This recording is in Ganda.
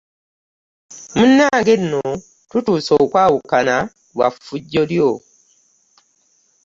Munnange nno tutuuse okwawukana lwa ffujjo lyo.